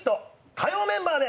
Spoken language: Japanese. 火曜メンバーで